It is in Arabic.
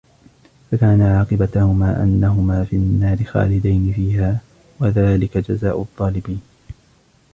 فَكَانَ عَاقِبَتَهُمَا أَنَّهُمَا فِي النَّارِ خَالِدَيْنِ فِيهَا وَذَلِكَ جَزَاءُ الظَّالِمِينَ